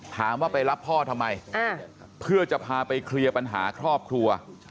ถามว่าไปรับพ่อทำไมเพื่อจะพาไปเคลียร์ปัญหาครอบครัว